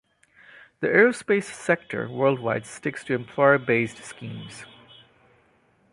The aerospace sector worldwide sticks to employer based schemes.